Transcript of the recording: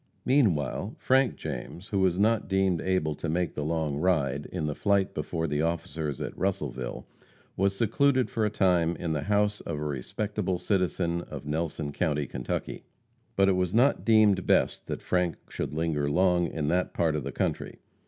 Meanwhile Frank James, who was not deemed able to make the long ride, in the flight before the officers at Russellville, was secluded for a time in the house of a respectable citizen of Nelson county, Kentucky. But it was not deemed best that Frank should linger long in that part of the country.